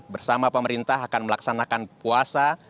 bersama pemerintah akan melaksanakan puasa